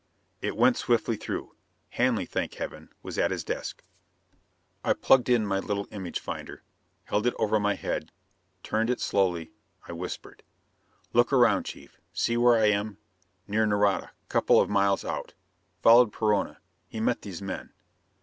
It went swiftly through. Hanley, thank Heaven, was at his desk. I plugged in my little image finder; held it over my head; turned it slowly. I whispered: "Look around, Chief. See where I am? Near Nareda; couple of miles out. Followed Perona; he met these men.